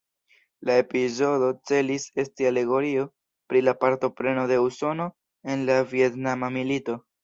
La epizodo celis esti alegorio pri la partopreno de Usono en la Vjetnama Milito.